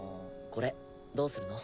これどうするの？